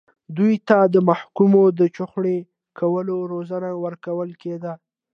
دوی ته د محکوم د چخڼي کولو روزنه ورکول کېده.